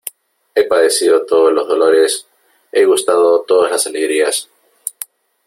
he padecido todos los dolores , he gustado todas las alegrías :